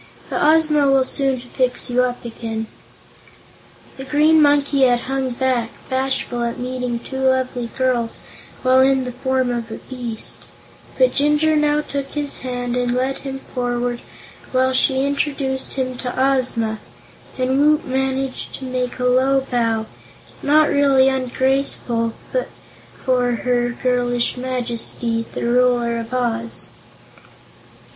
But Ozma will soon fix you up again." The Green Monkey had hung back, bashful at meeting two lovely girls while in the form of a beast; but Jinjur now took his hand and led him forward while she introduced him to Ozma, and Woot managed to make a low bow, not really ungraceful, before her girlish Majesty, the Ruler of Oz.